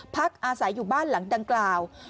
พักอาศัยอยู่บ้านหลังดังกล่าว